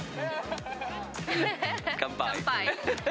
乾杯。